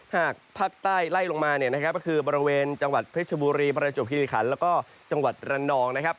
หากภาคใต้ไล่ลงมาเนี่ยนะครับก็คือบริเวณจังหวัดเพชรบุรีประจวบคิริขันแล้วก็จังหวัดระนองนะครับ